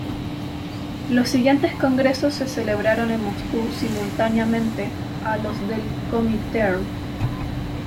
Los siguientes congresos se celebraron en Moscú simultáneamente a los del Comintern.